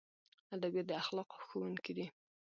ادبیات د اخلاقو ښوونکي دي.